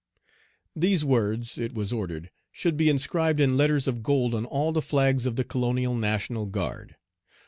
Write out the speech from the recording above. These words, it was ordered, should be inscribed in letters of gold on all the flags of the colonial national guard.